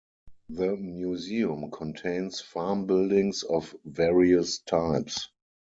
The museum contains farm buildings of various types.